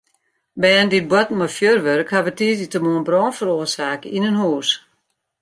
Bern dy't boarten mei fjurwurk hawwe tiisdeitemoarn brân feroarsake yn in hûs.